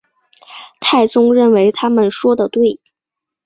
太宗认为他们说得对。